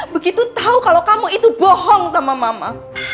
begitu tahu kalau kamu itu bohong sama mama